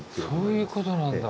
そういうことなんだ。